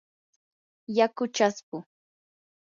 yaku chaspu.